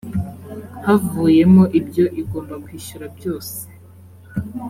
havuyemo ibyo igomba kwishyura byose